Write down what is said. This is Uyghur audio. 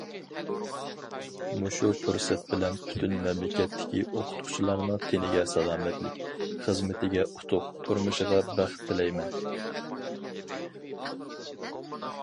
مۇشۇ پۇرسەت بىلەن پۈتۈن مەملىكەتتىكى ئوقۇتقۇچىلارنىڭ تېنىگە سالامەتلىك، خىزمىتىگە ئۇتۇق، تۇرمۇشىغا بەخت تىلەيمەن!